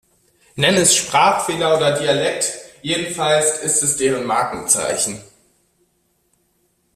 Nenn es Sprachfehler oder Dialekt, jedenfalls ist es deren Markenzeichen.